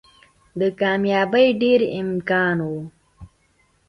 د کاميابۍ ډېر امکان وو